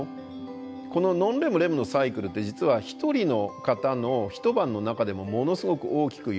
このノンレムレムのサイクルって実は一人の方の一晩の中でもものすごく大きく揺らぎます。